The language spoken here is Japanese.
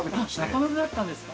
◆中延だったんですか。